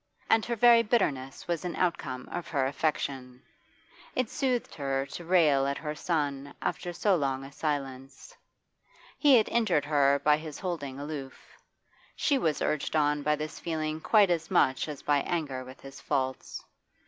And her very bitterness was an outcome of her affection; it soothed her to rail at her son after so long a silence. He had injured her by his holding aloof; she was urged on by this feeling quite as much as by anger with his faults.